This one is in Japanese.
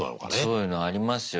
そういうのありますよ。